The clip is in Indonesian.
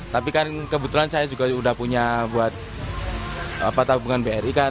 tapi kan kebetulan saya juga sudah punya buat tabungan bri kan